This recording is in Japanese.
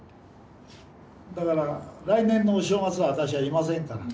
だから来年のお正月は私はいませんから。